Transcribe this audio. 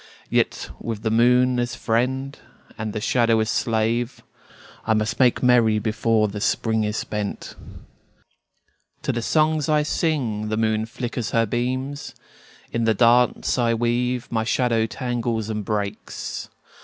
Yet with the moon as friend and the shadow as slave I must make merry before the Spring is spent. To the songs I sing the moon flickers her beams; In the dance I weave my shadow tangles and breaks.